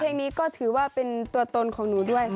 เพลงนี้ก็ถือว่าเป็นตัวตนของหนูด้วย